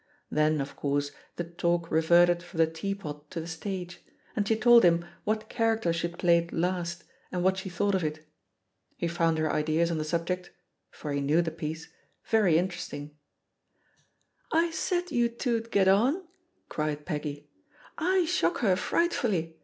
Then, of course, the talk reverted from the teapot to the stage, and ^e told him what character she had played last and what she thought of it. He found her ideasi on the subject — ^for he knew the piece — ^very in teresting. "I said you two 'd get on,'' cried Peggy. ^Z shock her frightfully.